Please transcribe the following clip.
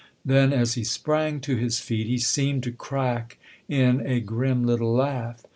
Then, as he sprang to his feet, he seemed to crack in a grim little laugh.